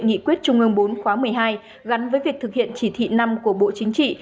nghị quyết trung ương bốn khóa một mươi hai gắn với việc thực hiện chỉ thị năm của bộ chính trị